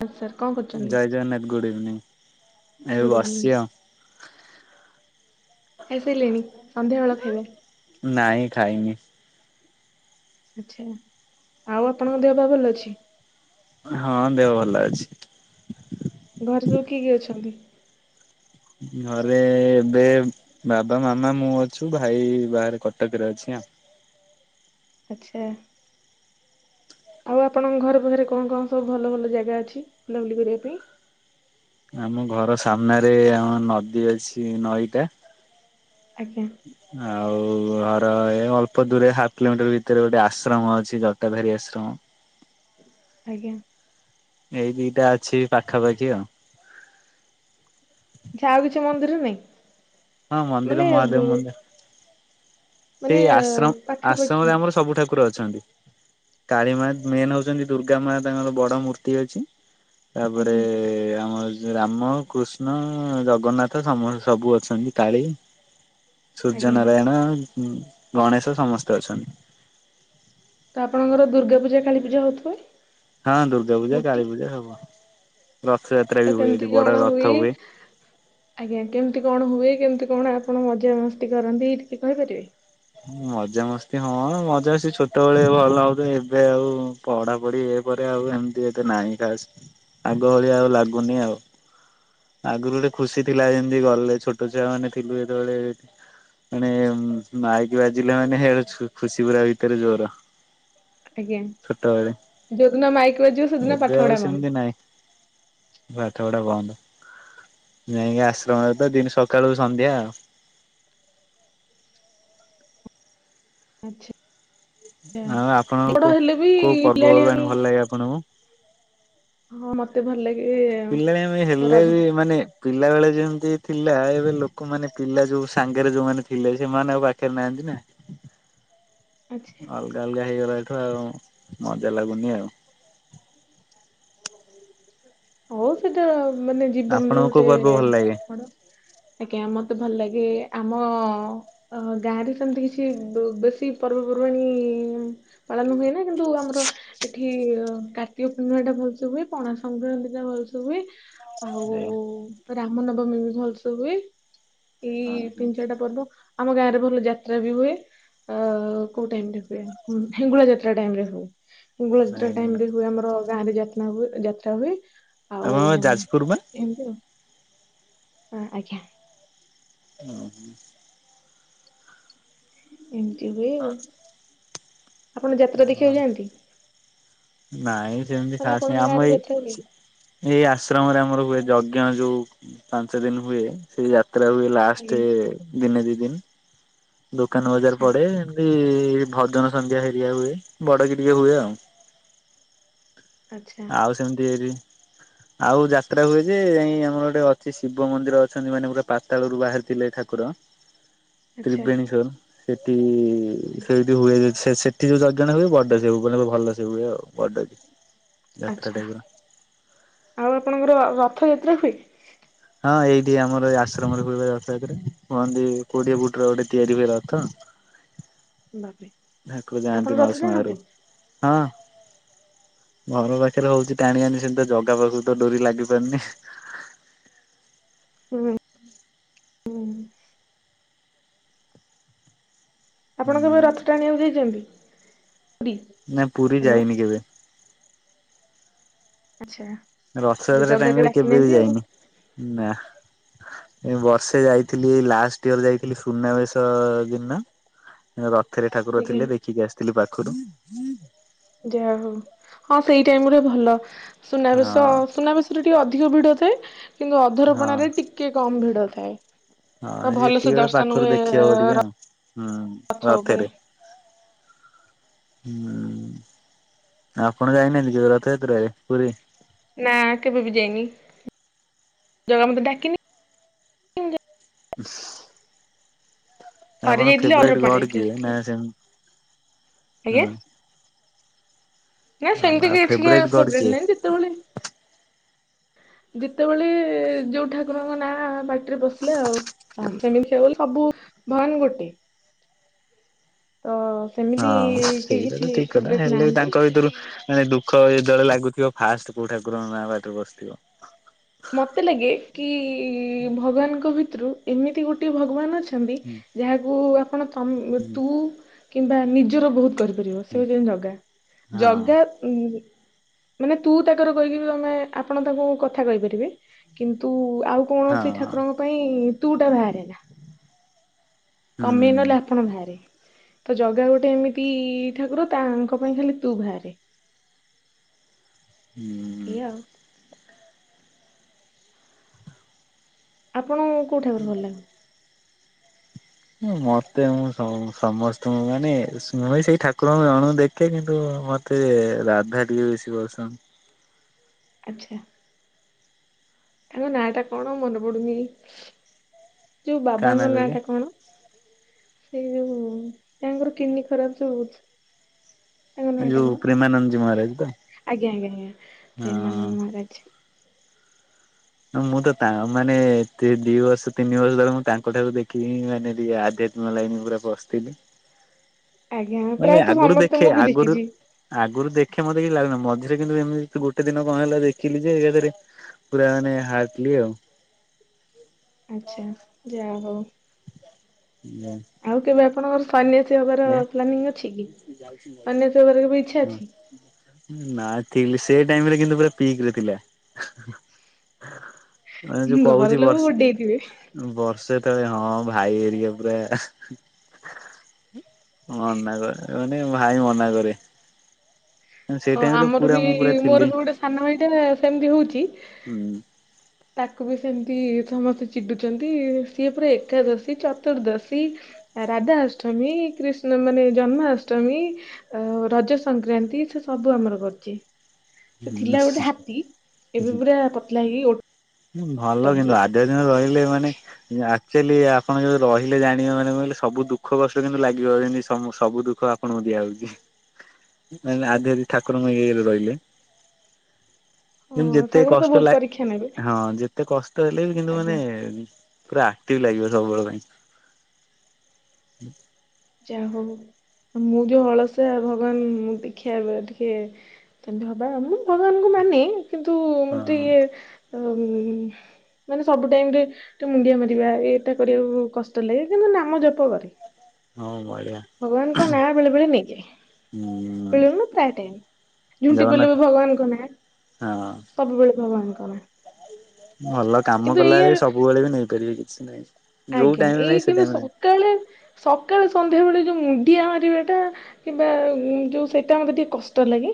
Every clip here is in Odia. ସାର୍ କଣ କରୁଛନ୍ତି? ଜୟ ଜଗନ୍ନାଥ ଗୁଡ ଇଭିନିଂ ଏ ଗୁଡ୍ ଇଭିନିଂ ଆସିଚି ଆଉ। ଖାଇସାଇଲେଣି ସନ୍ଧ୍ୟାବେଳ ଖାଇବା। ନାଇଁ ଖାଇନି। ଆଚ୍ଛା ଆଉ ଆପଣଙ୍କ ଦେହ ପା ଭଲ ଅଛି? ହଁ ଦେହ ଭଲ ଅଛି। ଘରେ ସବୁ କିଏ କିଏ ଅଛନ୍ତି। ଘରେ ଏବେ। ବାବା ମାମା ମୁଁ ଅଛୁ ଭାଇ ବାହାରେ କଟକରେ ଅଛି ଆଉ। ଆଚ୍ଛା। ଆଉ ଆପଣଙ୍କ ଘରେ ପାଖରେ କଣ କଣ ସବୁ ଭଲ ଭଲ ଜାଗା ଅଛି ବୁଲାବୁଲି କରିବା ପାଇଁ? ଆମ ଘର ସାମ୍ନାରେ ଆମ ନଦୀ ଅଛି ନଈଟା। ଆଜ୍ଞା। ଆଉ ଘର ଏ ଅଳ୍ପ ଦୂରେ ହାପ କିଲୋମିଟର ଭିତରେ ଗୋଟେ ଆଶ୍ରମ ଅଛି ଜଟା ଭୋରୀ ଆଶ୍ରମ। ଆଜ୍ଞା। ଏଇ ଦିଟା ଅଛି ପାଖାପାଖି ଆଉ। ଆଉ କିଛି ମନ୍ଦିର ନାଇଁ? ହଁ ମନ୍ଦିର ମହାଦେବ ମନ୍ଦିର ମାନେ ଏଇ ଆଶ୍ରମ ପାଖାପାଖି ଆଶ୍ରମରେ ଆମର ସବୁ ଠାକୁର ଅଛନ୍ତି, କାଳୀ ମା, ମେନ୍ ହଉଚନ୍ତି ଦୁର୍ଗା ମା, ତାଙ୍କର ବଡ ମୂର୍ତ୍ତି ଅଛି। ତାପରେ ଆଜ୍ଞା ଆମର ରାମ କୃଷ୍ଣ ଜଗନ୍ନାଥ ସମସ୍ ସବୁ ଅଛନ୍ତି କାଳି ସୂର୍ଯ୍ୟ ଆଜ୍ଞା ନାରାୟଣ ଗଣେଶ ସମସ୍ତେ ଅଛନ୍ତି। ତ ଆପଣଙ୍କର ଦୁର୍ଗାପୂଜା କାଳୀପୂଜା ହଉଥିବ? ହଁ ଦୁର୍ଗା ପୂଜା, ମୂର୍ତ୍ତି କାଳୀ ପୂଜା ହବ, ରଥଯାତ୍ରା ତ ବି ହୁଏ କେମିତି ଏଠି କଣ ବଡ ରଥ ହୁଏ। ଆଜ୍ଞା କେମିତି କଣ ହୁଏ, କେମିତି କଣ ଆପଣ ମଜାମସ୍ତି କରନ୍ତି, ଟିକେ କହିପାରିବେ? ମଜାମସ୍ତି ହଁ ମଜା ସେ ଛୋଟବେଳେ ଭଲ ଲାଗୁଥିଲା। ଏବେ ଆଉ ପଢାପଢି ଏ ପରେ ଆଉ ଏମିତି ଏତେ ନାହିଁ ଖାସ୍, ଆଗ ଭଳି ଆଉ ଲାଗୁନି ଆଉ। ଆଗରୁ ଗୋଟେ ଖୁସି ଥିଲା ଯେମିତି ଗଲେ ଛୋଟ ଛୁଆ ମାନେ ଥିଲୁ ଯେତେବେଳେ ମାନେ ମାଇକି ବାଜିଲେ ମାନେ, ହିଆରେ ଖୁସି ପୁରା ଭିତରେ ଜୋର୍। ଆଜ୍ଞା ଛୋଟବେଳେ, ଯୋଉଦିନ ମାଇକ୍ ବାଜିବ ସେଦିନ ଏବେ ପାଠପଢା ଆଉ ବନ୍ଦ। ସେମିତି ନାହିଁ। ପାଠ ପଢ଼ା ବନ୍ଦ ଯାଇକି ଆଶ୍ରମରେ ତ ଦିନ୍ ସକାଳୁ ସନ୍ଧ୍ୟା। ଆଛା, ଆଉ ଏତେ ଆପଣଙ୍କୁ ବଡ ହେଲେ ବି କୋଉ ପର୍ବପର୍ବାଣି ପିଲାଳିଆମି ଭଲ ଲାଗେ ଆପଣଙ୍କୁ? ମତେ ଭଲ ଲାଗେ ପିଲାଳିଆମି ହେଲେ ରଜ ବି ମାନେ ପିଲା ବେଳେ ଯେମିତି ଥିଲା ଏବେ ଲୋକମାନେ ପିଲା ଯୋଉ ସାଙ୍ଗରେ ଯୋଉମାନେ ଥିଲେ ସେମାନେ ଆଉ ବାକି ଖେଳୁନାହାନ୍ତି ନା। ଆଚ୍ଛା ଅଲଗା ଅଲଗା ହେଇଗଲାଠୁ ଆଉ ମଜା ଲାଗୁନି ଆଉ। ହଉ ସେଟା ମାନେ ଜୀବନର ଆପଣଙ୍କୁ କୋଉ ଗୋଟେ ପର୍ବ ଭଲ ଲାଗେ? କଣ? ଆଜ୍ଞା ମତେ ଭଲ ଲାଗେ ଆମ ଅହ ଗାଁ ରେ ସେମିତି କିଛି ବେ ବେଶୀ ପର୍ବପର୍ବାଣୀ ଇ ପାଳନ ହୁଏ ନା କିନ୍ତୁ ଆମର ଏଠି କାର୍ତ୍ତିକ ପୂର୍ଣ୍ଣିମା ଟା ଭଲ ହୁଏ, ପଣା ସଂକ୍ରାନ୍ତି ଟା ଭଲ୍ ସେ ହୁଏ, ଆଉ ଉ ରାମ ନବମୀ ବି ଭଲସେ ହୁଏ ଏଇ ତିନି ଚାରିଟା ପର୍ବ ଆମ ଗାଁ ରେ ଭଲ ଯାତ୍ରା ବି ହୁଏ। ଅ କୋଉ ଟାଇମରେ ହୁଏ? ହେଙ୍ଗୁଳା ଯାତ୍ରା ଟାଇମରେ ହୁଏ। ହେଙ୍ଗୁଳା ଯାତ୍ରା ଟାଇମ୍ ରେ ହୁଏ ଆମର ଗାଁ ରେ ଯାତ୍ରା ହୁ ଯାତ୍ରା ହୁଏ। ଆଉ ଆପଣଙ୍କର ଯାଜପୁର ବା। ଏମିତି ଆଉ। ହଁ ଆଜ୍ଞା। [inaudible] ଏମିତି ହୁଏ ଆଉ। ଆପଣ ଯାତ୍ରା ଦେଖିବାକୁ ଯାଆନ୍ତି? ନାଇଁ ସେମିତି ମାନେ ଖାସ୍ ନାଇ। ଆପଣଙ୍କ ଆମ ଗାଁରେ ଯାତ୍ରା ହୁଏ ଏଇ ଏଇ ଆଶ୍ରମରେ ଆମର ହୁଏ ଯଜ୍ଞ ଯୋଉ ପାଞ୍ଚ ଦିନ ହୁଏ ସେଇ ଯାତ୍ରା ହୁଏ। ଆଜ୍ଞା ଲାଷ୍ଟରେ ଦିନେ ଦି ଦିନ। ଦୋକାନ ବଜାର ଆଚ୍ଛା ପଡ଼େ ଏମିତି ଭଜନ ସଂନ୍ଧ୍ୟା ହେରିଆ ହୁଏ ବଡ଼ କି ଟିକେ ହୁଏ ଆଉ। ଆଚ୍ଛା ଆଉ ସେମିତି ହେରି ଆଉ ଯାତ୍ରା ହୁଏ ଯେ ଯାଇ ଆମର ଗୋଟେ ଅଛି ଶିବ ମନ୍ଦିର ଅଛନ୍ତି ମାନେ ପୁରା ପା ତାଳରୁ ବାହାରିଥିଲେ ଠାକୁର। ଆଚ୍ଛା ତ୍ରିବେଣୀେଶ୍ଵର ସେଠି ଆଜ୍ଞା। ସେଇଠି ହୁଏ ଯେ ସେ ସେଠି ଯୋଉ ଯଜ୍ଞଟା ହୁଏ ବଡ଼ସେ ହୁଏ ଭୁବନରେ ଭଲସେ ହୁଏ ଆଉ ବଡ଼କି। ଆଚ୍ଛା ଆଉ ଆପଣଙ୍କର ରଥଯାତ୍ରା ହୁଏ? ହଁ ଏଇଠି ଆମର ଏଇ ଆଶ୍ରମରେ ହୁଏପା ରଥଯାତ୍ରା କୁହନ୍ତି କୋଉଠିଏ ଫୁଟର ଗୋଟେ ତିଆରି ହୁଏ ରଥ। ବାପ୍ରେ ଠାକୁର ଯାଆନ୍ତି ମାଉସୀ ମାଘରକୁ ହଁ। ଘର ପାଖରେ ହଉଚି ଟାଣି ଆଣି ସେମିତି ଜାଗା ପାଖକୁତ ଡୋରି ଲାଗିପାରୁନି। ହୁଁ ହୁଁ। ଆପଣ କେବେ ରଥ ହୁଁ ଟାଣିବାକୁ ଯାଇଚନ୍ତି ପୁରୀ? ନା ପୁରୀ ହ୍ୟାଲୋ ଯାଇନି କେବେ। ଆଚ୍ଛା। ହେଲେ ରଥଯାତ୍ରା ଜଗା କେବେ ଟାଇମରେ କେବେବି ଡାକିନାହାନ୍ତି ଆଉ ଯାଇନି ନାଁ। ମୁଁ ବର୍ଷେ ଯାଇଥିଲି ଲାଷ୍ଟ ଇୟର ଯାଇଥିଲି ସୁନାବେଶ ଦିନ ରଥରେ ଠାକୁର ଆଜ୍ଞା ଥିଲେ ଦେଖିକି ଆସିଥିଲି ପାଖରୁ ଯାହାଉ ହଁ ସେଇ ଟାଇମରେ ଭଲ ସୁନାବେଷ ହଁ ସୁନା ବେଶ ଟିକେ ଅଧିକ ଭିଡ଼ ଥାଏ କିନ୍ତୁ ହଁ। ଅଧରପଣାରେ ଟିକେ କମ୍ ଭିଡ଼ ଥାଏ। ହଁ ତ ଭଲସେ ହେତିକିବେଳେ ଦର୍ଶନ ପାଖରୁ ହୁଏ ଦେଖି ହବ ଟିକେ ଆଉ ହୁଁ ରଥ ଉପରେ ରଥରେ। [inaudible] ହୁଁ ଆପଣ ଯାଇନାହାନ୍ତିକି ରଥଯାତ୍ରରେ ପୁରୀ? ନା କେବେବି ଯାଇନି ଜାଗା ମତେ ଡାକିନି [inaudible] ଥରେ ଆପଣଙ୍କ ଯାଇଥିଲି ଫେବୁରାଇଟ୍ ଅଧରପଣାରେ ଗଡ଼ ଦେଖିକି କିଏ ଆସିଥିଲି ନାଁ ସେମି ଆଜ୍ଞା ହଁ। ନା ସେମିତି ଆଉ କିଛିବି ଫେବରାଇଟ ଗଡ ଫ୍ରେବୁରାଇଟ୍ କିଏ? ନାଇଁ ଯେତେବେଳେ ଯେତେବେଳେ ଯୋଉ ଠାକୁରଙ୍କ ନାଁ ପାଟିରେ ପସିଲା ଆଉ। [unintelligible] ସବୁ ଭଗବାନ୍ ଗୋଟେ। ତ ସେମିତି ହଁ କେହି ସେଇଟାତ କିଛି ଠିକ୍ କଥା ଫେବରେଟ ହେଲେବି ନାହାନ୍ତି ତାଙ୍କ ଭିତରୁ ମାନେ ଦୁଃଖ ଯେତେବେଳେ ଲାଗୁଥିବ ଫାଷ୍ଟ୍ କୋଉ ଠାକୁରଙ୍କନାଁ ପାଟିରେ ପସିଥିବ? ମତେ ଲାଗେକି ଭଗବାନଙ୍କ ଭିତରୁ ଏମିତି ଗୋଟେ ଭଗବାନ୍ ଅଛନ୍ତି ହୁଁ ଯାହାକୁ ଆପଣ ତମେ ହୁଁ ତୁ କିମ୍ବା ନିଜର ବହୁତ୍ କରି ହୁଁ। ରିୟଲସେଲ୍ ଜଗା ହଁ ଜଗା ଉ ମାନେ ତୁ ତାଙ୍କର କହିକିବି ଆମେ ଆପଣ ତାଙ୍କୁ କଥା କହି କିନ୍ତୁ ଆଉ ହଁ କୌଣସି ହଁ ଠାକୁରଙ୍କ ପାଇଁ ତୁଟା ବାହାରେନା। କମି ହୁଁ। ଗଲା ଆପଣ ବାହାରେ ତ ଜଗା ଗୋଟେ ଏମିତି ଠାକୁର ତାଙ୍କ ପାଇଁ ଖାଲି ତୁ ବାହାରେ ହୁଁ। ଇୟା ଆଉ ଆପଣଙ୍କୁ କୋଉ ଠାକୁର ଭଲ ଲାଗେ? ମତେ ମୁଁ ସମସ୍ତଙ୍କୁ ମାନେ ମୁଁବି ସେଇ ଠାକୁରଙ୍କୁ ଜଣଙ୍କୁ ଦେଖେ କିନ୍ତୁ ମ ମତେ ରାଧା ଟିକେ ବେଶି ବସନ୍ଦ। ଆଚ୍ଛା। ତାଙ୍କ ନାଁଟା କଣ ମନେପଡ଼ୁନି ଯୋଉ କାହା ନାଁ ବାବାଙ୍କ କହିଲେ ନାଁଟା କଣ? ସେଇ ଯଉ ତାଙ୍କର କିଡ଼ନୀ ଖରାପ୍ ଯଉ ହେଇଚି? ତାଙ୍କ ନଟା ଯୋଉ କଣ ପ୍ରେମାନନ୍ଦଜୀ ମହାରାଜ ତ ଆଜ୍ଞା ଆଜ୍ଞା ଆଜ୍ଞା ପ୍ରେମାନନ୍ଦ ମହାରାଜ୍। ହଁ ମୁଁତ ତା ମାନେ ଦି ବର୍ଷ ତିନି ବର୍ଷ ତଳେ ମୁଁ ତାଙ୍କ ଠାରୁକୁ ଦେଖିକି ମାନେ ଟିକେ ଆଦେ ନୂଆ ଲାଇନ୍ ପୁରା ପସିଥିଲି ଆଜ୍ଞା ନାଇଁ ନାଇଁ ପ୍ରାୟତଃ ଆଗରୁ ସମସ୍ତେ ଦେଖେ। ମୁଁ ବି ଆଗରୁ ଦେଖିଛି। ଆଗରୁ ଦେଖେ ମତେ କି ଲାଗେନା। ମଝିରେ କିନ୍ତୁ ଏମିତି ଗୋଟେ ଦିନ କ ହେଲା ଦେଖିଲି ଯେ ଏକେରେ ପୁରା ମାନେ ହାଟେଲି ଆଉ। ଆଚ୍ଛା ଯାହା ହଉ। [unintelligible] ଆଉ କେବେ ଆପଣଙ୍କର ସନ୍ୟାସୀ ହବାର ପ୍ଲାନିଂ ଅଛି କି? ସନ୍ୟାସୀ ହବାର କେବେ ଇଚ୍ଛା ହଁ ଅଛି। ନା ଥିଲି ସେ ଟାଇମି ରେ କିନ୍ତୁ ପୁରା ପିକି ରେ ଥିଲା। ମାନେ ଯୋଉ ଘର କହୁଛି ଲୋକ ଗୋଡେଇଥିବେ ବର୍ଷେ। ବର୍ଷେ ତଳେ ହଁ ଭାଇ ଘେରିକା ପୁରା। ମନା କରେ ମାନେ ଭାଇ ମନା କରେ। ସେ ହଁ ଟାଇମରେ ଆମର ପୁରା ବି ମୁଁ ପୁରା ମୋର ଥିଲି ବି ଗୋଟେ ସାନ ଭାଇଟା ସେମିତି ହଉଛି। ହୁଁ। ତାକୁ ବି ସେମିତି ସମସ୍ତେ ଚିଡୁଚନ୍ତି। ସିଏ ପୁରା ଏକାଦଶୀ ଚତୁର୍ଦ୍ଦଶୀ। ରାଧାଷ୍ଟମୀ କ୍ରିଷ୍ଣା ମାନେ ଜନ୍ମାଷ୍ଟମୀ। ଅ ରଜ ସଂକ୍ରାନ୍ତି ସେ ସବୁ ଆମର କରିଚି। ସେ ଥିଲା ହୁଁ। ଗୋଟେ ହାତୀ ଏବେ ପୁରା ପତଲା ହେଇକି ଗଟେ ଭଲ କିନ୍ତୁ ଆଜେଜେ ଦିନେ ରହିଲେ ମାନେ। ଆଚର୍ଲି ଆପଣ ଯୋଉ ରହିଲେ ଜାଣେ ମାନେ କନ କହିଲେ ସବୁ ଦୁଃଖ କଷ୍ଟ କିନ୍ତୁ ଲାଗିବ ଏମିତି ସବୁ ଦୁଃଖ ଆ କଣ ଦିଆ ହଉଛି। ମୁଁ କହିଲି ଆଗରେ ଠାକୁର ଙ୍କ ଏଇଏ ରେ ରହିଲେ। ଯେମିତି ହଁ ଯେତେ ଠାକୁର ତ କଷ୍ଟ ବହୁତ ଲାଗେ ପରୀକ୍ଷା ନେବେ ହଁ ଯେତେ କଷ୍ଟ ହେଲେ ବି କିନ୍ତୁ ମାନେ। ଆଜ୍ଞା। ପୁରା ଆକ୍ଟିଭି ଲାଗିବ ସବୁବେଳ ପାଇଁ। ଯାହା ହଉ। ମୁଁ ଯୋଉ ଅଳସୁଆ ଭଗବାନ ମୁଁ ଦେଖିବା ବେଳେ ଟିକେ। ସେମିତି ହବା ମୁଁ ଭଗବାନଙ୍କୁ ମାନେ କିନ୍ତୁ ମତେ ହଁ ଇଏ ହୁ ହୁ ମାନେ ସବୁ ଟାଇମି ରେ ଟେ ମୁଣ୍ଡିଆ ମାରିବା ଏଇଟା କରିବାକୁ କଷ୍ଟ ଲାଗେ। କିନ୍ତୁ ନାମ ଜପ କରେ। ହଁ ବଢିଆ। ଭଗବାନଙ୍କ ନାଁ ବେଳେ ବେଳେ ନେଇ ଯାଏ। ଉଁ ଉଁ। ପିଳିନୁ ପ୍ରାୟ ଟାଇମି। ଝୁଣ୍ଟି ପଇଲେ ବି ଭଗବାନଙ୍କ ନାଁ। ହଁ। ସବୁବେଳେ ଭଗବାନଙ୍କର ନାଁ। ଭଲ କାମ କିନ୍ତୁ ଏଇଆ କଲାବେଳେ ବି ସବୁବେଳେ ବି ନେଇପାରିବେ କିଛି ନାହିଁ। ଯୋଉ ଟାଇମି ନାହିଁ ସେ ଟାଇମି ନାହିଁ। କାଳେ ସକାଳେ ସନ୍ଧ୍ୟାବେଳେ ଯୋଉ ମୁଣ୍ଡିଆ ମାରିବାଟା। କିମ୍ବା ଯୋଉ ସେଇଟା ମତେ ଟିକେ କଷ୍ଟ ଲାଗେ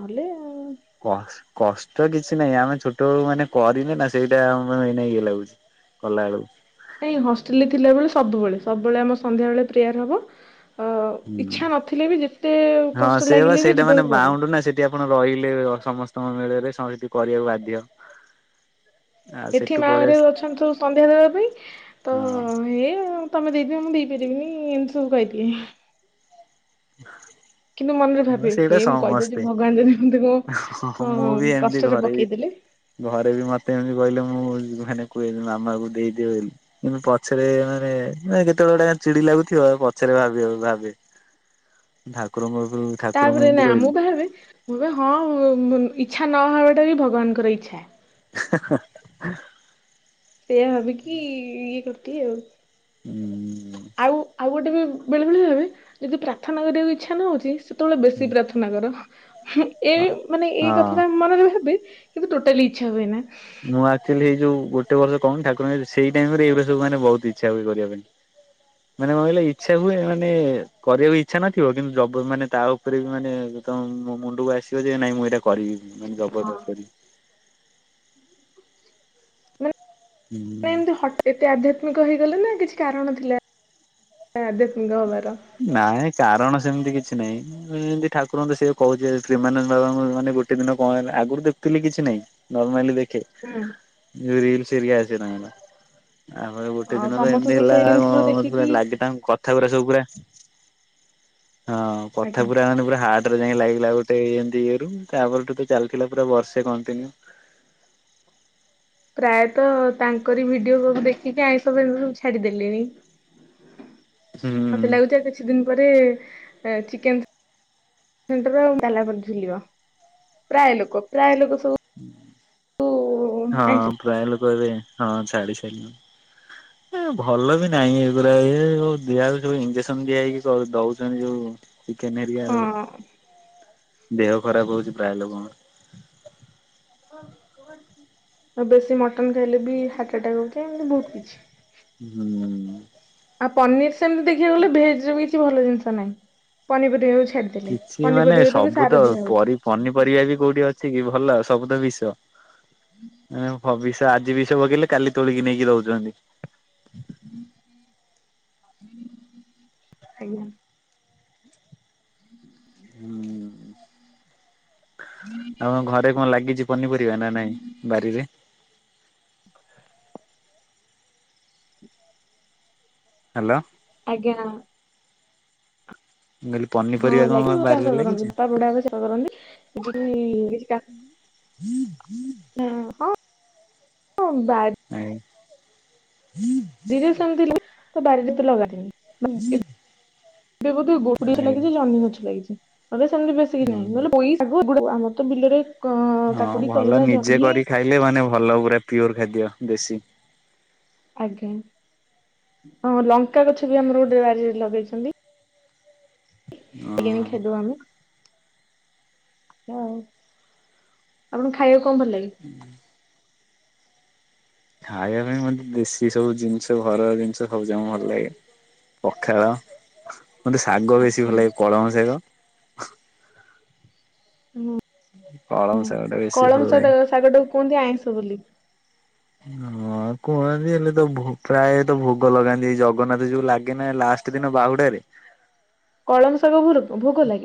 ନହେଲେ ଆଉ। କ କଷ୍ଟ କିଛି ନାହିଁ ଆମେ ଛୋଟ ବେଳୁ ମାନେ କରିନେ ନା ସେଇଟା ଆମକୁ ଏଇନା ଇଏ ଲାଗୁଛି। କଲାବେଳକୁ। ନାଇଁ ହଷ୍ଟେଲେ ରେ ଥିଲାବେଳେ ସବୁବେଳେ। ସବୁବେଳେ ଆମର ସନ୍ଧ୍ୟାବେଳେ ପ୍ରେୟାର ହବ। ଅ ଓ ହୁଁ। ଇଚ୍ଛା ନଥିଲେ ବି ଯେତେ କଷ୍ଟ ଲାଗିଲେ ବି ଯିବାକୁ ପଡ଼େ। ଯଦି ଆପଣ ରହିଲେ ସମସ୍ତଙ୍କ ମିଳରେ ସଂଙ୍ଗିତି କରିବାକୁ ବାଧ୍ୟ। ଆଉ ଏଠି ସେଠୁ ମା ପଳେଇ ଘରିକା ଆସି ବି ଅଛନ୍ତିୁ ସବୁ ସନ୍ଧ୍ୟା ଦେବା ପାଇଁ। ତ ହଁ ହେ। ତମେ ଦେଇଦିଅ ମୁଁ ଦେଇପାରିବିନି ଏମିତି ସବୁ କଇଦିଏ। କିନ୍ତୁ ମନରେ [unintelligible] ହଁ ଭାବେ ହେ ସେଇଟା ମୁଁ କହିଦଉଛି ସମସ୍ତେ। ଭଗବାନ ଯଦି ମତେ କଣ ହଁ ହଁ କଣ ମୁଁ ବି ଏମିତି କଷ୍ଟରେ ଘରେ। ପକେଇଦେଲେ ଘରେ ବି ମତେ ଏମିତି କହିଲେ ମୁଁ ମାନେ କୁହେ ମାମାଙ୍କୁ ଦେଇଦିଅ ଏମିତି। ଏ ପଛରେ ମାନେ କେତେବେଳେ ଗୋଟେ କଥା ଚିଡି ଲାଗୁଥିବଉ ପଛରେ ଭାବିବାକୁ ଭାବେ। ଠାକୁରଙ୍କ ପାଖକୁ। ତାପରେ ନା ମୁଁ ବା ଭାବେ। ମୁଁ ବେ ହଁ ଇଛା ନ ହବାଟା ବି ଭଗବାନଙ୍କର ଇଚ୍ଛା। [inaudible] ସେଇୟା ଭବିକି ଇଏ କରିଚି ଆଉ। ହୁଁ। ଆଉ ଆଉ ଗୋଟେ ବି ବେଳେବେଳେ ଭାବେ ଯଦି ପ୍ରାର୍ଥନା କରିବାକୁ ଇଛା ନ ହଉଛି ସେତେବେଳେ ବେଶୀ ପ୍ରାର୍ଥ ମାନଙ୍କର ଏ ମାନେ ଏଇ ହଁ। କଥା ଟା ମନରେ ଭାବେ କିନ୍ତୁ ଟୋଟାଲି ଇଛା ହୁଏନା। ମୁଁ ଆକ୍ଚୁଆଲି ହେଇ ଯୋଉ ଗୋଟେ ବର୍ଷ କହୁନି ଠାକୁରଙ୍କ ସେଇ ଟାଇମ ରେ ଏଇରା ସବୁ ମାନେ ବହୁତ ଇଛା ହୁଏ କରିବା ପାଇଁ। ମାନେ କଣ କହିଲେ ଇଛା ହୁଏ ମାନେ କରିବାକୁ ଇଛା ନଥିବ କିନ୍ତୁ ଜବ ମାନେ ତା ଉପରେ ବି ମାନେ ତ ମୋ ମୁଣ୍ଡକୁ ଆସିବ ଯେ ନାଇଁ ମୁଁ ଏଇଟା କରିବି ମାନେ ହଁ। ଜବରଦସ୍ତ କରିବି। ହୁଁ ନା ଏମିତି ହଟ ଏତେ ଆଧ୍ୟାତ୍ମିକ ହେଇଗଲେ ନା କିଛି କାରଣ ଥିଲା ଆଧ୍ୟାତ୍ମିକ ହବାର। ନାଇଁ କାରଣ ସେମିତି କିଛି ନାଇଁ। ଏମିତି ଠାକୁର ଙ୍କୁ ତ ସିଏ କହୁଛି ପ୍ରେମାନନ୍ଦ ବାବାଙ୍କୁ ମାନେ ଗୋଟେ ଦିନ କଣ ହେଲା ଆଗରୁ ଦେଖୁଥିଲି କିଛି ନାଇଁ ନର୍ମାଲି ଦେଖେ ହୁଁ। ଯୋଉ ରିଲସ ହେରିକା ଆସେ ତାଙ୍କର। ତାପରେ ଗୋଟେ ଅ ଦିନ ତ ସମସ୍ତେ ଏମିତି ହେଲା ସେଇ ରିଲସ ରୁ କଣ ଦେଖିକି ଲାଗେ ତାଙ୍କ କଥା କଥା ଗୁରା ସବୁ ପୁରା ହଁ କଥା ଆଜ୍ଞା। ପୁରା ମାନେ ପୁରା ହା ର୍ଟ ରେ ଯାଇ ଲାଗିଲା ଗୋଟେ ଏମତି ଇଏ ରୁ ତାପରେ ତ ଚାଲିଥିଲା ପୁରା ବର୍ଷେ କଣ୍ଟିନ୍ୟୁ। ପ୍ରାୟତଃ ତାଙ୍କରି ଭିଡିଓ ସବୁ ଦେଖିକି ଆଇଁଷ ଫାଇଁଷ ସବୁ ଛାଡିଦେଲିଣି। ମତେ ହୁଁ ଲାଗୁଛି ଆଉ କିଛି ଦିନ ପରେ ଚିକେନ ତାଲା ଝୁଲିବ ପ୍ରାୟ ଲୋକ ପ୍ରାୟ ଲୋକ ସବୁ ବୁ ହଁ ଆଇଁସ ପ୍ରାୟ ଲୋକ ଏବେ ହଁ ଛାଡି ସାରିଲେଣି। ଏ ଭଲ ବି ନାହିଁ ଏଗୁୁରା ଏ ଦିଆ ହଉଛି ସବୁ ଇଞ୍ଜେକ୍ସନ ଦିଆ ହେଇକି ଦଉଛନ୍ତି ଯୋଉ ଚିକେନ ହେରିଆ ହଁ ଆଉ ଦେହ ଖରାପ ହଉଛି ପ୍ରାୟ ଲୋକଙ୍କର। ଆଉ ବେଶୀ ମଟନ ଖାଇଲେ ବି ହାର୍ଟ ଆଟାକ ହଉଚି ଏମତି ବହୁତ କିଛି। ହୁଁ। ଆଉ ପନିର ସେମିତି ଦେଖିବାକୁ ଗଲେ ଭେଜ ବି କିଛି ଭଲ ଜିନିଷ ନାହିଁ ପନି ପରିବା ହଉଛି କିଛି ମାନେ ସବୁ ତ ପରି ପନିପରିବା ବି କୋଉଠି ଅଛି ଅଛି କି ଭଲ ସବୁ ତ ବିଷ ଭବିଷ୍ୟ ଆଜି ବିଷ ପକେଇିଲେ କାଲି ତୋଳିକି ନେଇକି ଦଉଚନ୍ତି। ଆଜ୍ଞା। ହଁ। ହୁଁ। ଆଉ ଘରେ କଣ ଲାଗିଛି ପନିପରିବା ନା ନାଇଁ ବାରିରେ? ହ୍ୟାଲୋ। ଆଜ୍ଞା। ମୁଁ କହିଲି ପନି ହଁ ଲାଗି ଚାଷ କରନ୍ତି ତା ବୁଢା [unintelligible] ଚାଷ କରନ୍ତିି [unintelligible] ହଁ ହଁ ହଁ ବାର [inaudible] ନାଇଁ। ଦିରେ ଶୁଣିଥିଲ ତ ବାରିରେ ତ ଲଗାଦନି ଏବେ ବୋଧେ ଗୋଡି ଗଛ ଲାଗିଛି ଜହ୍ନି ଗଛ ଲାଗିଛି ବୋଧେ ସେମିତି ବେଶୀ କି ନାହିଁ ଆଜ୍ଞା ନହେଲେ ପୋଇ ଆଗରୁ ଆମ ତ ବିଲରେ କାକୁଡି କଲରା ଜହ୍ନି ହେଲେ ମାନେ ଭଲ ପୁରା ପିଓର ଖାଦ୍ୟ ଦେଶୀ ଆଜ୍ଞା ହଁ ଲଙ୍କା ଗଛ ବି ଆମର ଗୋଟେ ବାରିରେ ଲଗେଇଚନ୍ତି। ଏଗି ଆଣି ହଁ ଖାଇଦଉ ଆମେ। ଉ ଆପଣଙ୍କୁ ଖାଇବାକୁ କଣ ଭଲ ଲାଗେ? ଖାଇବା ପାଇଁ ମତେ ଦେଶୀ ସବୁ ଜିନିଷ ଘରର ଜିନିଷ ସବୁ ଜ ଭଲ ଲାଗେ। ପଖାଳ ମତେ ଶାଗ ବେଶୀ ଆଚ୍ଛା ଭଲ ଲାଗେ କଳମ ଶାଗ ହୁଁ। କଳମ ଶାଗ ଟା ବେଶୀ କଳମ ଭଲ ଲାଗେ। ଶାଗ ଟା କୁ କୁହନ୍ତି ଆଇଁଷ ବୋଲି ହଁ। ହଁ କୁହନ୍ତି ହେଲେ ତ ପ୍ରାୟତ ଭୋଗ ଲଗାନ୍ତି ଏ ଜଗନ୍ନାଥ ଯୋଉ ଲାଗେ ନା ଲାଷ୍ଟ ଦିନ ବାହୁଡରେ କଳମ ଶାଗ ଭୋଗ ଲାଗେ?